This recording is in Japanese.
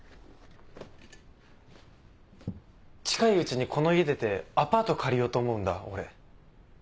近いうちにこの家出てアパート借りようと思うんだ俺。